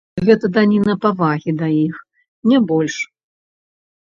Гэта даніна павагі да іх, не больш.